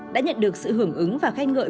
đã nhận được sự hưởng ứng và khen ngợi